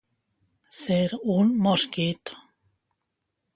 Ser un mosquit.